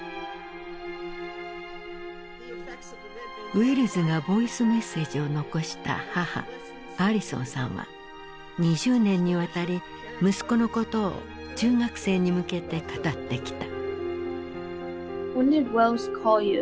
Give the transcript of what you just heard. ウェルズがボイスメッセージを残した母アリソンさんは２０年にわたり息子のことを中学生に向けて語ってきた。